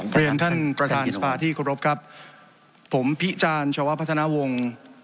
เจริญท่านประธานสภาที่ขอรบครับผมพิจารณ์ชาววะพัฒนาวง